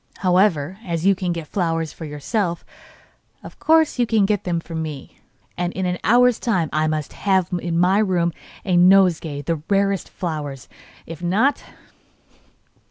However, as you can get flowers for yourself, of course you can get them for me, and in an hour's time I must have in my room a nosegay of the rarest flowers. If not